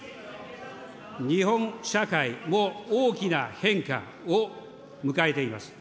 日本社会も大きな変化を迎えています。